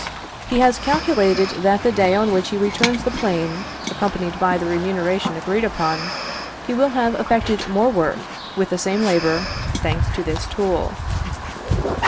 He has calculated that the day on which he returns the plane, accompanied by the remuneration agreed upon, he will have effected more work, with the same labour, thanks to this tool.